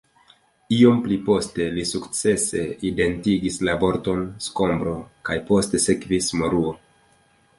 Iom pli poste li sukcese identigis la vorton “skombro kaj poste sekvis “moruo.